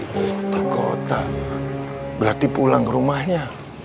ke kota berarti pulang ke rumahnya